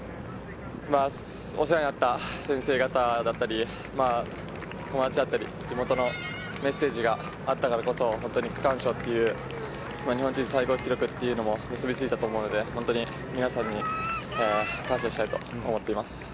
お世話になった先生方だったり、友達だったり、地元のメッセージがあったからこそ、区間賞という日本人最高記録というのに結びついたと思うので本当に皆さんに感謝したいと思っています。